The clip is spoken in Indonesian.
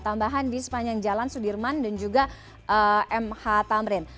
tambahan di sepanjang jalan sudirman dan juga mh tamrin